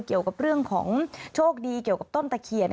เกี่ยวกับเรื่องของโชคดีเกี่ยวกับต้นตะเคียน